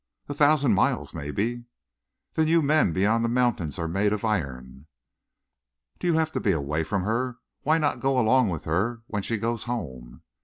"A thousand miles, maybe." "Then you men beyond the mountains are made of iron!" "Do you have to be away from her? Why not go along with her when she goes home?"